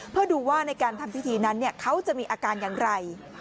เพื่อดูว่าในการทำพิธีนั้นเขาจะมีอาการอย่างไร